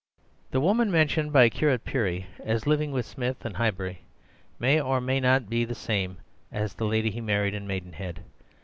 "The woman mentioned by Curate Percy as living with Smith in Highbury may or may not be the same as the lady he married in Maidenhead.